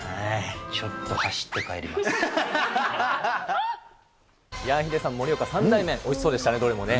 ちょっと走って帰いやー、ヒデさん、盛岡三大麺、おいしそうでしたね、どれもね。